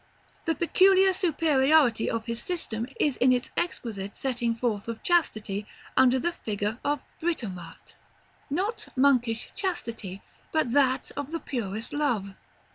The peculiar superiority of his system is in its exquisite setting forth of Chastity under the figure of Britomart; not monkish chastity, but that of the purest Love.